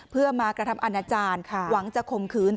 เพื่อมากระทำอาณาจารย์หวังจะข่มขืน